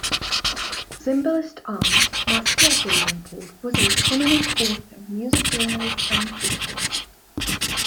Zimbalist's aunt, Marcia Davenport, was a prominent author, music journalist and historian.